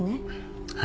はい。